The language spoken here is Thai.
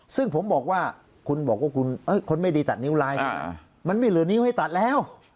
ซึ่งผมบอกว่าคุณบอกว่าคุณคนไม่ดีตัดนิ้วลายมันไม่เหลือนิ้วให้ตัดแล้ว